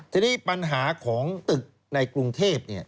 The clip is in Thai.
ทีนี้ปัญหาของตึกในกรุงเทพ